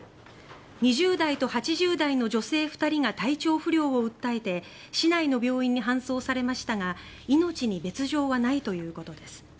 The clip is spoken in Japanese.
２０代と８０代の女性２人が体調不良を訴えて市内の病院に搬送されましたが命に別条はないということです。